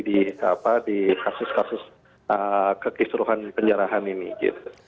jadi di kasus kasus kekisuruhan penjarahan ini